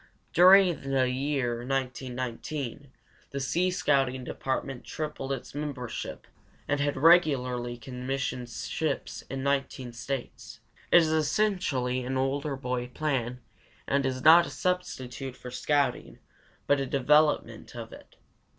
During the year 1919 the sea scouting department tripled its membership and had regularly commissioned ships in 19 States. It is essentially an older boy plan and is not a substitute for scouting but a development of it.